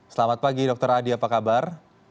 selamat pagi dr adi apa kabar